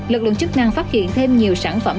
lực lượng chức năng phát hiện thêm nhiều sản phẩm